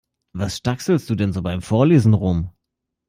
Was stackselst du denn so beim Vorlesen rum?